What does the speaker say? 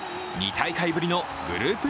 ２大会ぶりのグループ